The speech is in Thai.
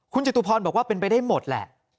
คุณจตุพรบอกว่าเป็นไปได้หมดแหละ